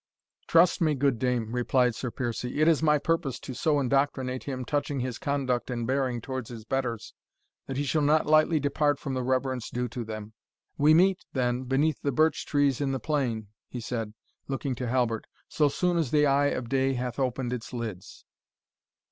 "Trust me, good dame," replied Sir Piercie, "it is my purpose so to indoctrinate him touching his conduct and bearing towards his betters, that he shall not lightly depart from the reverence due to them. We meet, then, beneath the birch trees in the plain," he said, looking to Halbert, "so soon as the eye of day hath opened its lids."